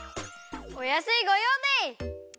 おやすいごようでい！